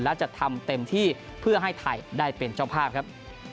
และจะทำเต็มที่เพื่อให้ไทยได้เป็นเจ้าภาพครับ